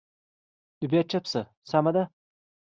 نو بیا چوپ شه، سمه ده.